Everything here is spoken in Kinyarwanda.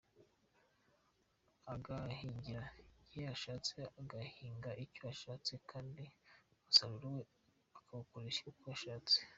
Agahingira igihe ashatse, agahinga icyo ashatse kandi umusaruro we akawukoresha uko ashatse.